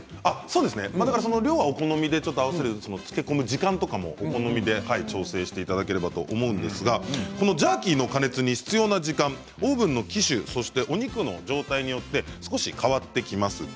お好みで漬け込む時間とかも調整していただければと思うんですがこのジャーキーの加熱に必要な時間、オーブンの機種やお肉の状態によって少し変わってきます。